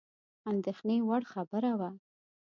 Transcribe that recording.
اندېښني وړ خبره وه.